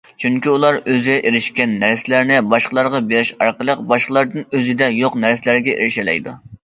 چۈنكى ئۇلار ئۆزى ئېرىشكەن نەرسىلەرنى باشقىلارغا بېرىش ئارقىلىق باشقىلاردىن ئۆزىدە يوق نەرسىلەرگە ئېرىشەلەيدۇ.